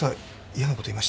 嫌なこと言いました？